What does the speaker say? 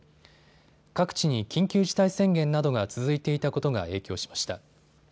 各地に緊急事態宣言などが続いていたことが影響しました。